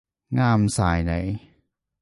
啱晒你